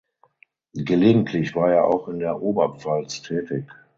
Gelegentlich war er auch in der Oberpfalz tätig.